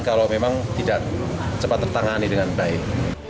kalau memang tidak cepat tertangani dengan baik